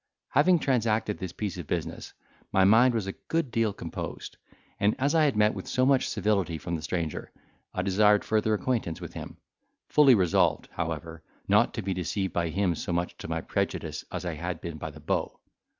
Having transacted this piece of business, my mind was a good deal composed; and as I had met with so much civility from the stranger, I desired further acquaintance with him, fully resolved, however, not to be deceived by him so much to my prejudice as I had been by the beau.